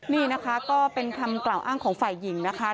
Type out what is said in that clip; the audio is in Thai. นี่นะคะก็เป็นคำกล่าวอ้างของฝ่ายหญิงนะคะ